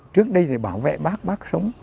trước đây thì bảo vệ bác bác sống